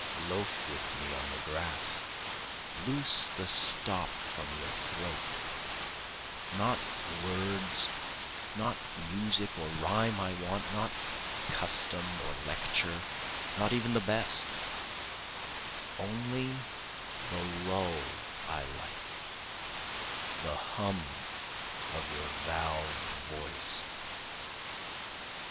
Loafe with me on the grass, loose the stop from your throat, Not words, not music or rhyme I want, not custom or lecture, not even the best, Only the lull I like, the hum of your valved voice.